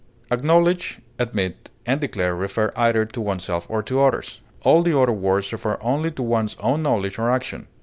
Acknowledge, admit, and declare refer either to oneself or to others; all the other words refer only to one's own knowledge or action.